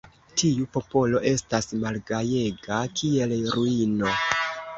Tiu popolo estas malgajega, kiel ruino.